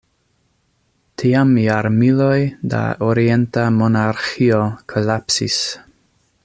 Tiam jarmiloj da orienta monarĥio kolapsis.